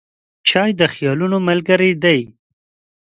چای د خیالونو ملګری دی.